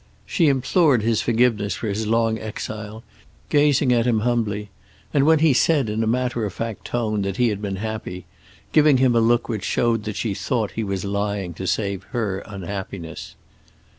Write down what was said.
She implored his forgiveness for his long exile, gazing at him humbly, and when he said in a matter of fact tone that he had been happy, giving him a look which showed that she thought he was lying to save her unhappiness.